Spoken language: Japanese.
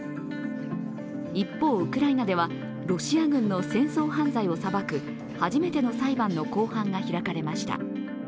一方、ウクライナではロシア軍の戦争犯罪を裁く初めての裁判の公判が開かれました。